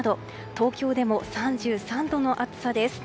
東京でも３３度の暑さです。